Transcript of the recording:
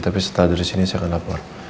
tapi setelah ada disini saya akan lapor